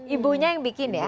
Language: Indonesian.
ibunya yang bikin ya